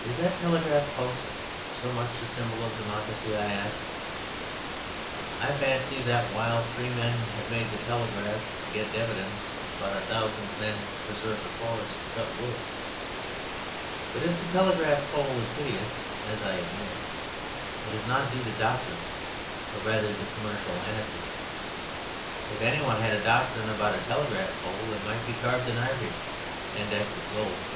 "Is that telegraph post so much a symbol of democracy?" I asked. "I fancy that while three men have made the telegraph to get dividends, about a thousand men have preserved the forest to cut wood. But if the telegraph pole is hideous (as I admit) it is not due to doctrine but rather to commercial anarchy. If any one had a doctrine about a telegraph pole it might be carved in ivory and decked with gold.